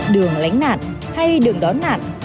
đường lánh nạn hay đường đón nạn